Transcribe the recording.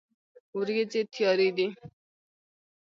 ورېځې تیارې دي